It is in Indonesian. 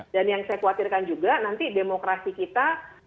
dan yang saya khawatirkan juga nanti demokrasi kita